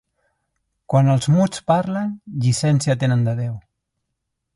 Quan els muts parlen, llicència tenen de Déu.